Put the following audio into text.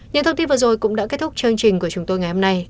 những thông tin vừa rồi cũng đã kết thúc chương trình của chúng tôi ngày hôm nay